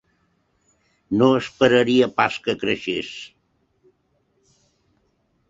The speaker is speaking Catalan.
No esperaria pas que creixés